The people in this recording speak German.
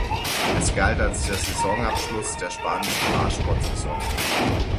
Es galt als der Saisonabschluss der spanischen Radsport-Saison.